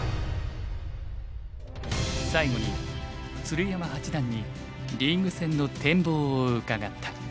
最後に鶴山八段にリーグ戦の展望を伺った。